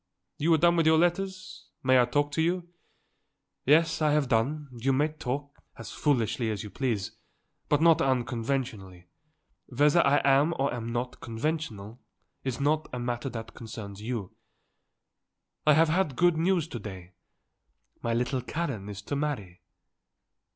You are done with your letters? I may talk to you?" "Yes, I have done. You may talk, as foolishly as you please, but not unconventionally; whether I am or am not conventional is not a matter that concerns you. I have had good news to day. My little Karen is to marry."